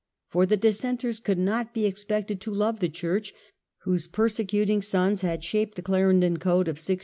For the Dissenters could not be expected to love the church, whose persecuting sons had shaped the " Clarendon Code" of 1664.